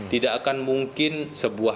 tidak akan mungkin sebuah amar itu akan berubah